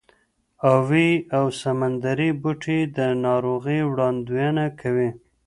اوې او سمندري بوټي د ناروغۍ وړاندوینه کوي.